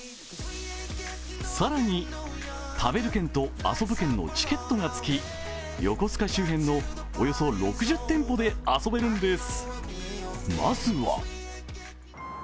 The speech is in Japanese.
更に、食べる券と遊ぶ券のチケットが付き、横須賀周辺のおよそ６０店舗で遊べるんです。